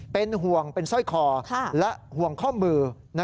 เป็นห่วงเป็นสร้อยคอและห่วงข้อมือ